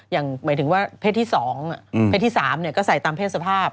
หมายถึงว่าเพศที่๒เพศที่๓ก็ใส่ตามเพศสภาพ